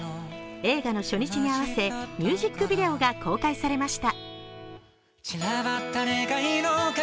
映画の初日に合わせミュージックビデオが公開されました。